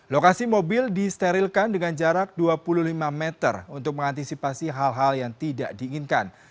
lokasi mobil disterilkan dengan jarak dua puluh lima meter untuk mengantisipasi hal hal yang tidak diinginkan